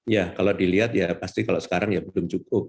ya kalau dilihat pasti kalau sekarang belum cukup